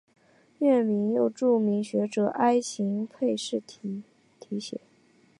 院名又著名学者袁行霈题写。